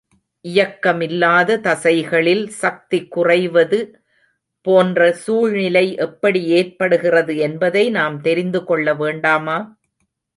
இயக்கமில்லாத தசைகளில் சக்தி குறைவது போன்ற சூழ்நிலை எப்படி ஏற்படுகிறது என்பதை நாம் தெரிந்து கொள்ள வேண்டாமா?